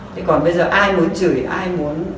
thế còn bây giờ ai muốn chửi ai muốn